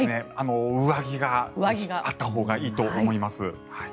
上着があったほうがいいと思います。